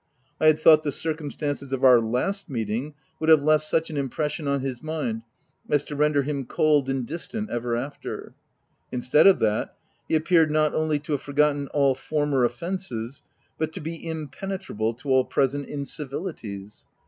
I had thought the cir cumstances of our last meeting would have left such an impression on his mind as to render him cold and distant ever after : instead of that he appeared, not only to have forgotten all for mer offences, but to be impenetrable to all present incivilities.